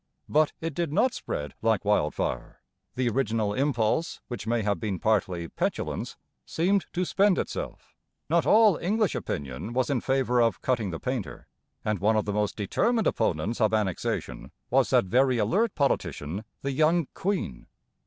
But it did not spread 'like wildfire.' The original impulse, which may have been partly 'petulance,' seemed to spend itself. Not all English opinion was in favour of 'cutting the painter'; and one of the most determined opponents of Annexation was that very alert politician, the young Queen.